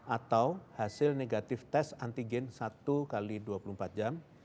atau hasil negatif tes antigen satu x dua puluh empat jam